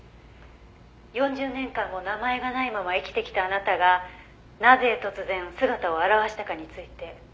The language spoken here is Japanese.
「４０年間も名前がないまま生きてきたあなたがなぜ突然姿を現したかについて」